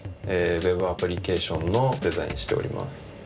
ＷＥＢアプリケーションのデザインしております。